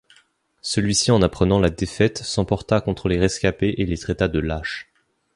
Celui-ci en apprenant la défaite s'emporta contre les rescapés et les traita de lâches.